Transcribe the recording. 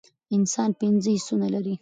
انسان پنځه حسونه لری